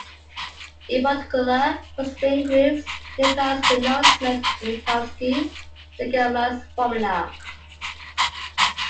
In particular for spin groups it implies the known Smith-Minkowski-Siegel mass formula.